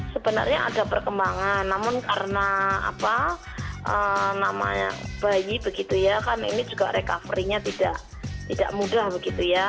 sebenarnya ada perkembangan namun karena apa namanya bayi begitu ya kan ini juga recovery nya tidak mudah begitu ya